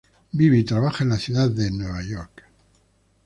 Vive y trabaja en la ciudad de Nueva York.